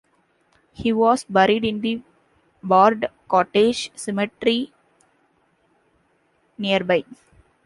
He was buried in the Bard Cottage Cemetery nearby.